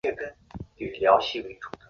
他积极参与封建混战。